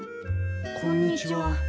こんにちは。